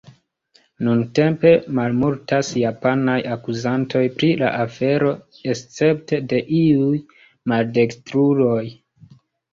Nuntempe malmultas japanaj akuzantoj pri la afero escepte de iuj maldekstruloj.